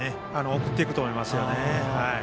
送っていくと思いますよね。